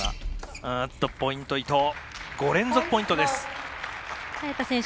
５連続ポイント、伊藤。